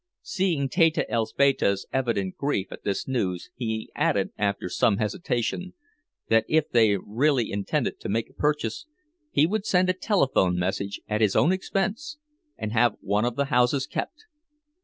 Seeing Teta Elzbieta's evident grief at this news, he added, after some hesitation, that if they really intended to make a purchase, he would send a telephone message at his own expense, and have one of the houses kept.